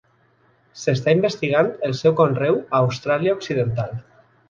S'està investigant el seu conreu a Austràlia occidental.